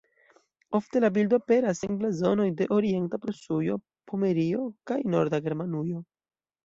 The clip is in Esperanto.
Ofte la bildo aperas en blazonoj de Orienta Prusujo, Pomerio kaj Norda Germanujo.